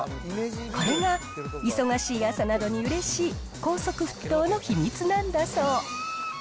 これが忙しい朝などにうれしい高速沸騰の秘密なんだそう。